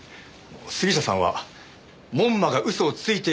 杉下さんは門馬が嘘をついているというんですか？